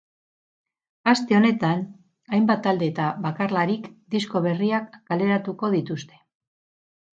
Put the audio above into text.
Aste honetan hainbat talde eta bakarlarik disko berriak kaleratuko dituzte.